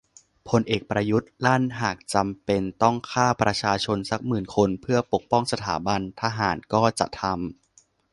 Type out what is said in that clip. พลเอกประยุทธ์ลั่นหากจำเป็นต้องฆ่าประชาชนสักหมื่นคนเพื่อปกป้องสถาบัน"ทหารก็จะทำ"